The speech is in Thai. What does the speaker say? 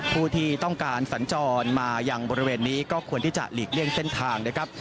ผู้ที่ต้องการสัญจรมายังบริเวณนี้ก็ควรที่จะหลีกเลี่ยงเส้นทางนะครับ